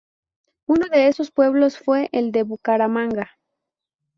Uno de esos pueblos fue el de Bucaramanga.